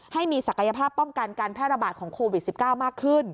ให้มีศักยภาพป้องกันการแพร่ระบาดของโควิด๑๙มากขึ้น